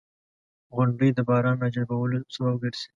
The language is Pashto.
• غونډۍ د باران راجلبولو سبب ګرځي.